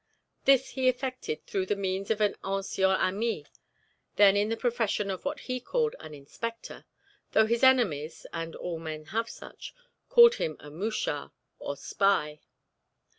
This he effected through the means of an ancien ami, then in the profession of what he called an "inspector," though his enemies (and all men have such) called him a mouchard, or spy.